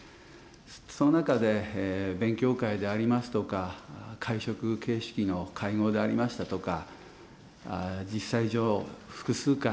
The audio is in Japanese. その中で、勉強会でありますとか、会食形式の会合でありましたとか、実際上、複数回